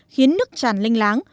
khiến nước tràn linh láng